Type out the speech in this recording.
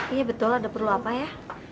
iya betul ada perlu apa ya